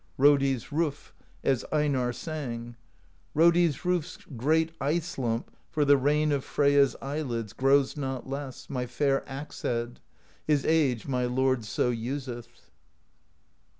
Rodi's Roof, as Einarr sang: Rodi's Roof's great Ice Lump For the Rain of Freyja's Eyelids Grows not less, my fair axe head ; His age my lord so useth.